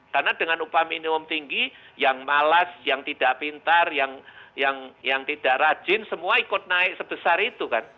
karena dengan upah minimum tinggi yang malas yang tidak pintar yang tidak rajin semua ikut naik sebesar itu kan